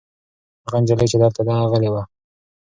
هغه نجلۍ چې دلته ده غلې ده.